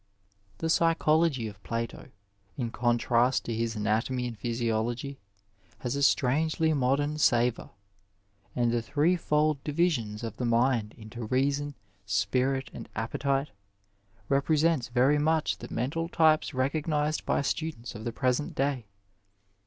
Digitized by VjOOQiC PHYSIC AND PHYSICIANS The psychology of Plato, in contrast to his anatomy and physiology, has a strangely modem savour, and the three fold divisions of the mind into reason, spirit and appetite, represents very much the mental types recog nized by students of the present day.